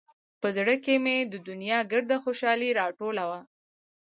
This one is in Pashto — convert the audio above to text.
په زړه کښې مې د دونيا ګرده خوشالي راټوله وه.